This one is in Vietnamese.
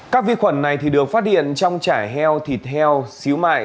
các vi khuẩn này được phát hiện trong chải heo thịt heo xíu mại